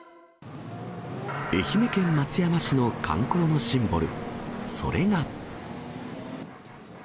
愛媛県松山市の観光のシンボル、それが。